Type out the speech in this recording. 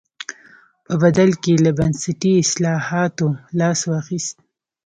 په بدل کې یې له بنسټي اصلاحاتو لاس واخیست.